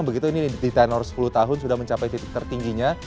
begitu ini di tenor sepuluh tahun sudah mencapai titik tertingginya